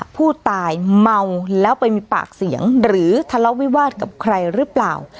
ผู้ตายเมาแล้วไปมีปากเสียงหรือทะเลาะวิวาสกับใครหรือเปล่า